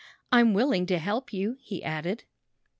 ''I'm willing to help you," he added.